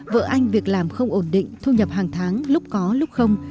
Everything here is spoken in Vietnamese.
vợ anh việc làm không ổn định thu nhập hàng tháng lúc có lúc không